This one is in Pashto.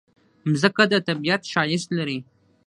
مځکه د طبیعت ښایست لري.